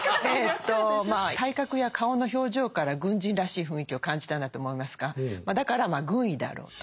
体格や顔の表情から軍人らしい雰囲気を感じたんだと思いますがだからまあ軍医であろうと。